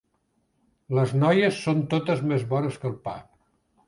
Les noies són totes més bones que el pa.